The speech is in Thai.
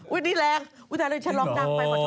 ฮะอุ๊ยนี่แรงฉันร้องดังไปขอโทษค่ะ